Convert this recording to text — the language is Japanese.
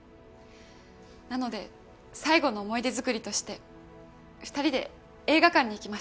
なので最後の思い出づくりとして２人で映画館に行きました。